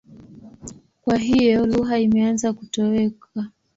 Kwa hiyo lugha imeanza kutoweka.